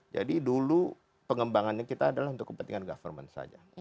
jadi dulu pengembangannya kita adalah untuk kepentingan government saja